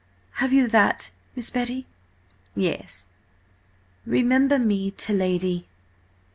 Have you that, Miss Betty?" "Yes." "'Remember me to Lady